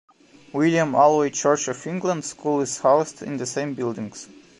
William Alvey Church of England School is housed in the same buildings.